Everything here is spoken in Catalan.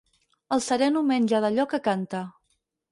El sereno menja d'allò que canta.